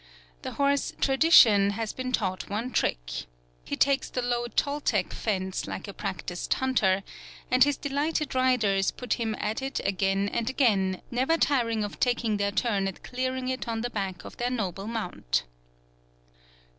The horse Tradition has been taught one trick. He takes the low Toltec fence like a practised hunter; and his delighted riders put him at it again and again, never tiring of taking their turn at clearing it on the back of their noble mount.